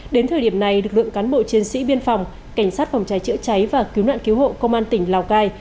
đến thời điểm này lực lượng cán bộ chiến sĩ biên phòng cảnh sát phòng cháy chữa cháy và cứu nạn cứu hộ công an tỉnh lào cai